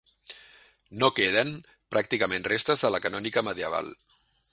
No queden, pràcticament, restes de la canònica medieval.